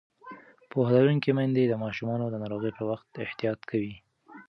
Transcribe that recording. پوهه لرونکې میندې د ماشومانو د ناروغۍ پر وخت احتیاط کوي.